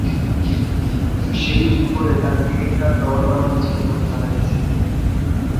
সেদিন দুপুরে তার ক্রেডিট কার্ড ব্যবহার করা হয়েছিল বলে জানা গেছে।